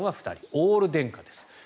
オール電化です。